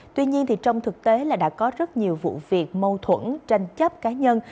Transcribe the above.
tuy nhiên trong thực tế là đã có rất nhiều vụ việc mâu thuẫn tranh chấp cá nhân